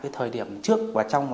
thời điểm trước và trong